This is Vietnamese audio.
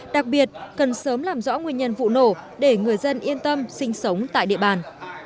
đặc biệt cần sớm làm rõ nguyên nhân vụ nổ để người dân yên tâm sinh sống tại địa bàn